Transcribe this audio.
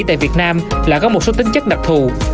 tại việt nam là góp một số tính chất đặc thù